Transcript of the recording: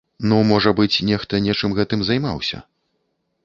Ну, можа быць, нехта нечым гэтым займаўся.